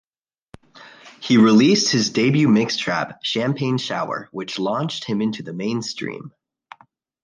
He released his debut mix trap "Champagne Shower" which launched him into the mainstream.